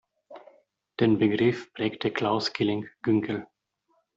Den Begriff prägte Claus Killing-Günkel.